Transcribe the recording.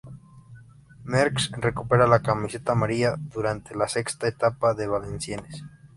Merckx recupera la camiseta amarilla durante la sexta etapa en Valenciennes.